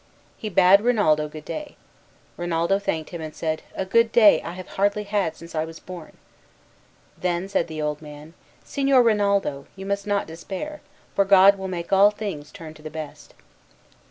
He bade Rinaldo good day. Rinaldo thanked him, and said, "A good day I have hardly had since I was born." Then said the old man, "Signor Rinaldo, you must not despair, for God will make all things turn to the best."